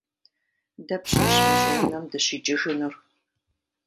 Дапщэщ мы щӀыунэм дыщикӀыжынур?